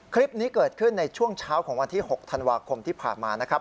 คลิปนี้เกิดขึ้นในช่วงเช้าของวันที่๖ธันวาคมที่ผ่านมานะครับ